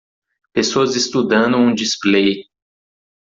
Pessoas estudando um display.